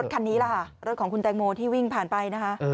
รถคันนี้ล่ะรถของคุณแตกโมที่วิ่งผ่านไป